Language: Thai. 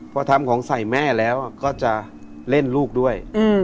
พอทำของใส่แม่แล้วก็จะเล่นลูกด้วย